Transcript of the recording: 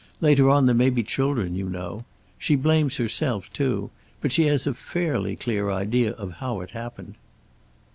Later on there may be children, you know. She blames herself, too, but she has a fairly clear idea of how it happened."